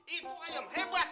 itu ayam hebat